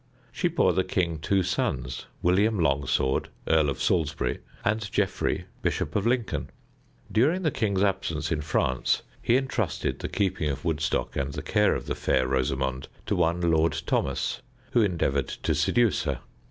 She bore the king two sons, William Longsword, Earl of Salisbury, and Geoffrey, Bishop of Lincoln. During the king's absence in France he intrusted the keeping of Woodstock and the care of the Fair Rosamond to one Lord Thomas, who endeavored to seduce her.